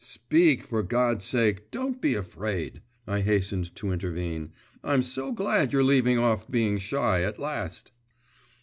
'Speak, for God's sake, don't be afraid,' I hastened to intervene; 'I'm so glad you're leaving off being shy at last.